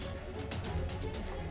tidak ada yang perlu ditakutkan